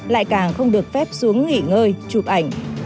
lại càng không được phép xuống nghỉ ngơi chụp ảnh